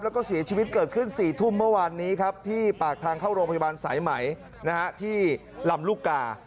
แล้วก็เสียชีวิตเกิดขึ้น๔ทุ่มเมื่อวานนี้ครับที่ปากทางเข้าโรงพยาบาลสายไหมที่ลำลูกกา